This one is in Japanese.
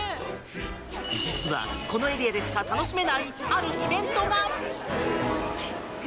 実はこのエリアでしか楽しめないあるイベントが。